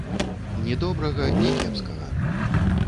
Ні добрага, ні кепскага.